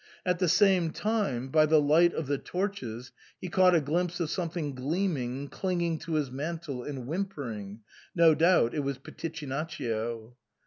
At the same time, by the light of the torches, he caught a glimpse of something gleaming, clinging to his mantle and whimpering ; no doubt it was Pitichinaccio.